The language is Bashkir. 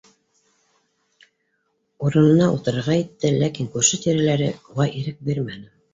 Урынына ултырырға итте, ләкин күрше-тирәләре уға ирек бирмәне: